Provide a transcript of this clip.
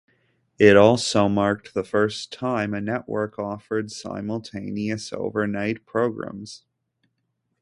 It also marked the first time a network offered simultaneous overnight programs.